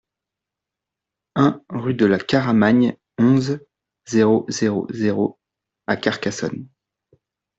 un rue de la Caramagne, onze, zéro zéro zéro à Carcassonne